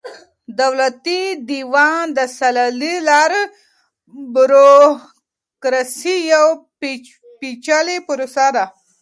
دولتي دېوان سالاري يا بروکراسي يوه پېچلې پروسه ده.